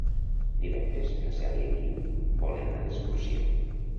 Divendres na Cel i en Guim volen anar d'excursió.